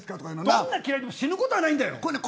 どんな嫌いでも死ぬことはないんだよ。